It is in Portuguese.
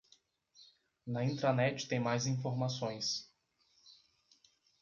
Na intranet tem mais informações